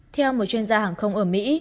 theo một chuyên gia hàng không ở mỹ